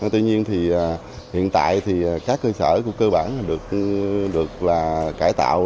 tuy nhiên hiện tại các cơ sở cơ bản được cải tạo